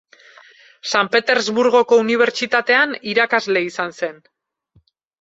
San Petersburgoko unibertsitatean irakasle izan zen.